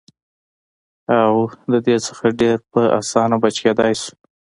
او د دې نه ډېر پۀ اسانه بچ کېدے شو -